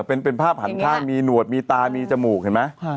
เป็นภาพหันข้างมีหนวดมีตามีจมูกเห็นไหม